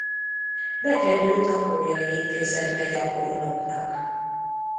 Bekerült a Bolyai Intézetbe gyakornoknak.